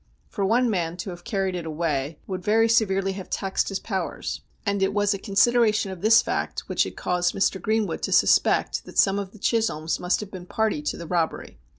For one man to have carried it away would very severely have taxed his powers ; and it was a consideration of this fact which had caused Mr. Greenwood to suspect that some of the Chisholms must have been party to the robbery.